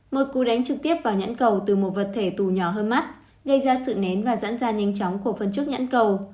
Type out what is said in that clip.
một cú đánh trực tiếp vào nhẫn cầu từ một vật thể tù nhỏ hơn mắt gây ra sự nén và dẫn ra nhanh chóng cổ phần trước nhãn cầu